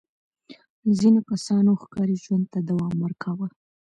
ځینو کسانو ښکاري ژوند ته دوام ورکاوه.